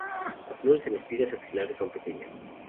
Las flores en espigas axilares son pequeñas.